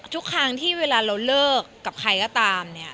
ทุกครั้งที่เวลาเราเลิกกับใครก็ตามเนี่ย